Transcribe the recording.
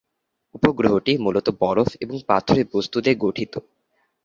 উপগ্রহটি মূলত বরফ এবং পাথুরে বস্তু দিয়ে গঠিত।